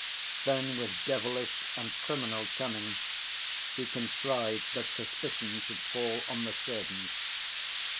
Then with devilish and criminal cunning he contrived that suspicion should fall on the servants.